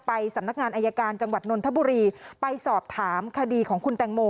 สำนักงานอายการจังหวัดนนทบุรีไปสอบถามคดีของคุณแตงโม